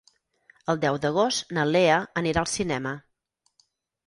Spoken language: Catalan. El deu d'agost na Lea anirà al cinema.